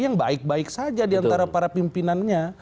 yang baik baik saja diantara para pimpinannya